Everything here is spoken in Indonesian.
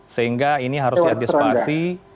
sehingga ini harus diadaptasi